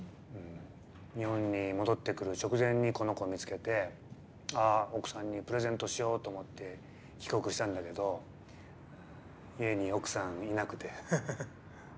日本に戻ってくる直前にこの子見つけてあっ奥さんにプレゼントしようと思って帰国したんだけど家に奥さんいなくて。